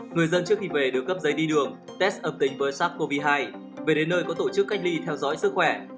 người dân trước khi về được cấp giấy đi đường test âm tính với sars cov hai về đến nơi có tổ chức cách ly theo dõi sức khỏe